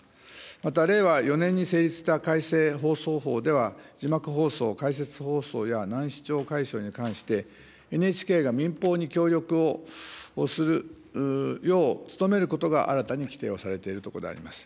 また、令和４年に成立した改正放送法では、字幕放送、解説放送や難視聴解消に関して、ＮＨＫが民放に協力をするよう努めることが新たに規定をされているところであります。